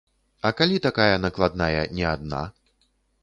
А калі такая накладная не адна?